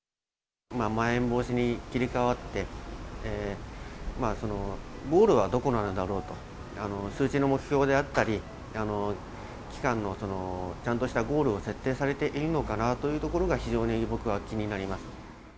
まん延防止に切り替わって、ゴールはどこなんだろうと、数字の目標であったり、期間のちゃんとしたゴールを設定されているのかなというところが非常に僕は気になります。